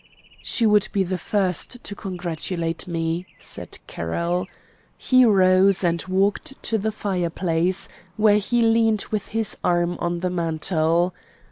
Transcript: "She would be the first to congratulate me," said Carroll. He rose and walked to the fireplace, where he leaned with his arm on the mantel.